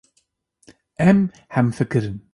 Em hemfikir in.